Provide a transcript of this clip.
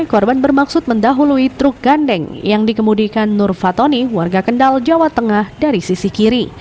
korban bermaksud mendahului truk gandeng yang dikemudikan nur fatoni warga kendal jawa tengah dari sisi kiri